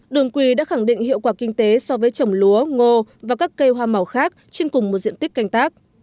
đường quỳ đã khẳng định hiệu quả kinh tế so với trồng lúa ngô và các cây hoa màu khác trên cùng một diện tích canh tác